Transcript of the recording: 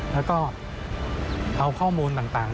และเอาข้อมูลต่าง